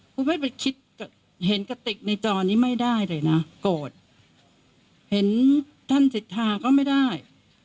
คุณไม่ไปคิดเห็นกระติกในจอนี้ไม่ได้เลยนะโกรธเห็นท่านสิทธาก็ไม่ได้